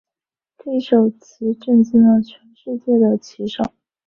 这一手棋震惊了全世界的棋手。